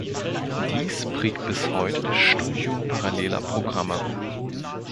Dies prägt bis heute das Studium paralleler Programme.